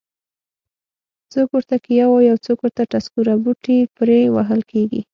څوک ورته کیه وایي او څوک ټسکوره. بوټي پرې وهل کېږي.